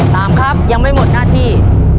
ตามครับยังไม่หมดหน้าที่